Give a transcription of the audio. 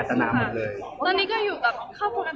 มันจะยี่สักอย่างเรื่องของกันอยู่ก็ไม่ได้อีก